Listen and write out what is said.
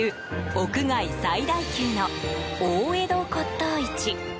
屋外最大級の大江戸骨董市。